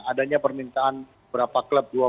adanya permintaan berapa klub